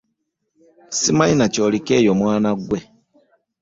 Ssimanyi na ky'oliko eyo mwana ggwe.